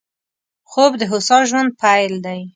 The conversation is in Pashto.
خوب د هوسا ژوند پيل دی